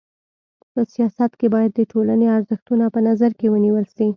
په سیاست کي بايد د ټولني ارزښتونه په نظر کي ونیول سي.